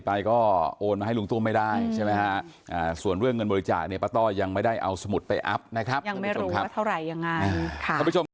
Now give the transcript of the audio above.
แบบแบบแบบแบบแบบแบบแบบแบบแบบแบบแบบ